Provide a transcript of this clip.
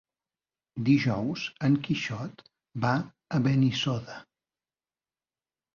Dijous en Quixot va a Benissoda.